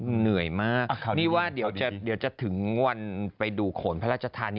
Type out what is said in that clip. เหนื่อยมากนี่ว่าเดี๋ยวจะถึงวันไปดูโขนพระราชธานี